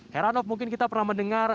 herr arnaud mungkin kita pernah mendengar